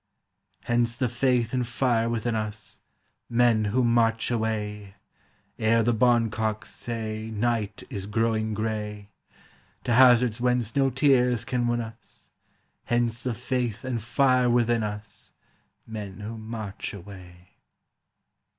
Hence the faith and fire within us Men who march away Ere the barn cocks say Night is growing gray, Leaving all that here can win us; Hence the faith and fire within us Men who march away.